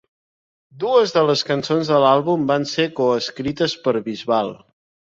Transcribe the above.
Dues de les cançons de l'àlbum van ser coescrites per Bisbal.